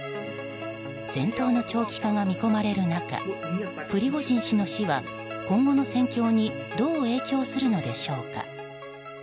戦闘の長期化が見込まれる中プリゴジン氏の死は今後の戦況にどう影響するのでしょうか。